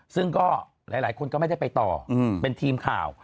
ซึ่งก็หลายคนก็ไม่ได้ไปต่อเป็นทีมข่าว